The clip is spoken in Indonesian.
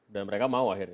dan mereka mau akhirnya